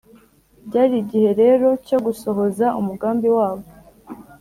byari igihe rero cyo gusohoza umugambi wabo